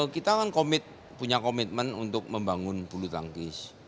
kita kan punya komitmen untuk membangun bulu tangkis